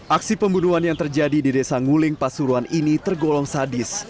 aksi pembunuhan yang terjadi di desa nguling pasuruan ini tergolong sadis